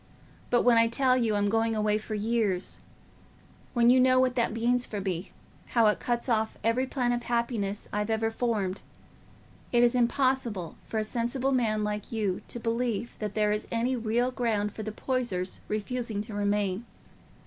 But when I tell you I'm going away for years—when you know what that means for me, how it cuts off every plan of happiness I've ever formed—it is impossible for a sensible man like you to believe that there is any real ground for the Poysers refusing to remain.